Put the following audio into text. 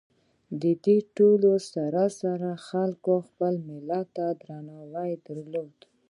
د دې ټولو سره سره خلکو خپل ملت ته درناوي درلود.